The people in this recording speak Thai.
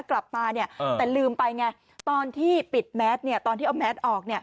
กลับมาแต่ลืมไปไงตอนที่ปิดแมสตอนที่เอาแมสออก